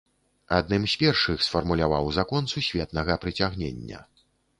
Адным з першых сфармуляваў закон сусветнага прыцягнення.